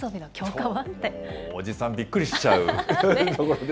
おじさん、びっくりしちゃう。